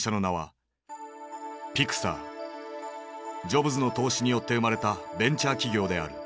ジョブズの投資によって生まれたベンチャー企業である。